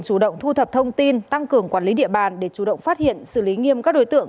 chủ động thu thập thông tin tăng cường quản lý địa bàn để chủ động phát hiện xử lý nghiêm các đối tượng